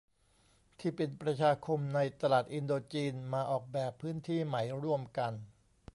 ที่เป็นประชาคมในตลาดอินโดจีนมาออกแบบพื้นที่ใหม่ร่วมกัน